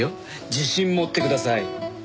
自信持ってください。